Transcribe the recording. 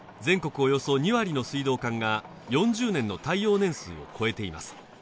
およそ２割の水道管が４０年の耐用年数を超えています